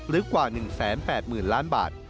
กว่า๑๘๐๐๐ล้านบาท